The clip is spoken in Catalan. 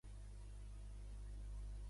Rep el seu nom per Cecil H. Green.